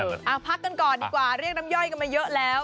เอาพักกันก่อนดีกว่าเรียกน้ำย่อยกันมาเยอะแล้ว